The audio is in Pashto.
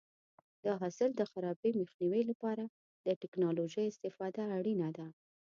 د حاصل د خرابي مخنیوي لپاره د ټکنالوژۍ استفاده اړینه ده.